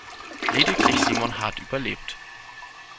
Lediglich Simon Hart überlebt.